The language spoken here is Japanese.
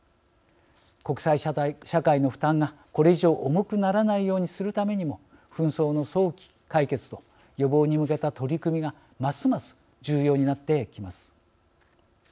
国際社会の負担がこれ以上重くならないようにするためにも紛争の早期解決と予防に向けた取り組みがますます重要になってきます。